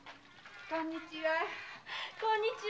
こんにちは。